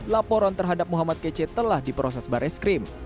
laporan terhadap muhammad kc telah diproses barek skrim